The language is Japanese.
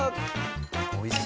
おいしい！